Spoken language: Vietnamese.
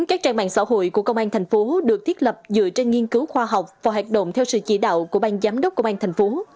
của ban giám đốc công an thành phố